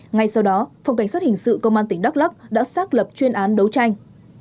ngay sau đó phòng cảnh sát hình sự công an tỉnh đắk lắc đã xác lập chuyên án đấu tranh